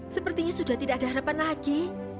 sepertinya sudah tidak ada harapan lagi